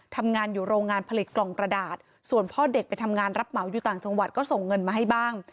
ทำงานอยู่โรงงานผลิตกล่องกระดาษส่วนพ่อเด็กไปทำงานรับเหมาอยู่ต่างจังหวัดก็ส่งเงินมาให้บ้าง